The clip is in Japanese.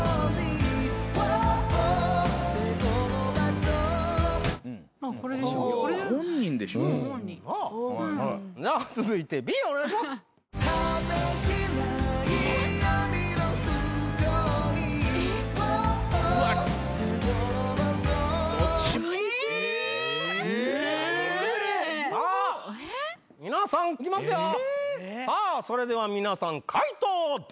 さあそれでは皆さん解答をどうぞ！